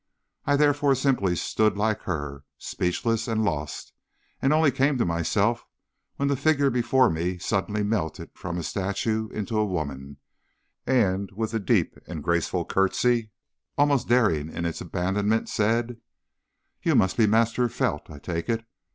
I therefore simply stood like her, speechless and lost, and only came to myself when the figure before me suddenly melted from a statue into a woman, and, with a deep and graceful courtesy, almost daring in its abandonment, said: "'You must be Master Felt, I take it.